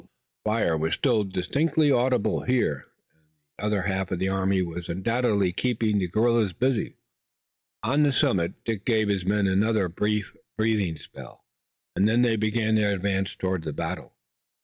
The firing was still distinctly audible here, and the other half of the army was undoubtedly keeping the guerrillas busy. On the summit Dick gave his men another brief breathing spell, and then they began their advance toward the battle.